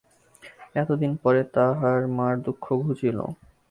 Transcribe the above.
এতদিন পরে তাহার মার দুঃখ ঘুচিল।